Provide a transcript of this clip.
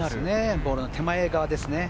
ボールの手前側です。